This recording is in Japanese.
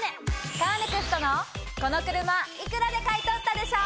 カーネクストのこの車幾らで買い取ったでしょ！